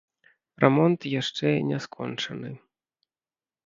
Рамонт яшчэ не скончаны.